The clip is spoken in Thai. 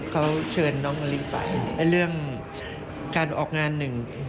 เขาเชิญน้องมะลิไปเรื่องการออกงานหนึ่ง